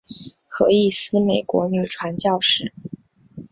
何义思美国女传教士。